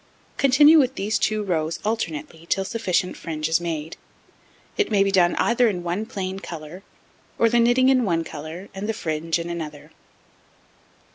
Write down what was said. Continue with these 2 rows alternately till sufficient fringe is made. It may be done either in one plain colour, or the knitting in one colour and the fringe in another.